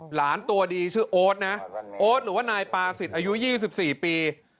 หลานตัวดีชื่อโอ๊ตนะโอ๊ตหรือว่านายปาศิษย์อายุ๒๔ปี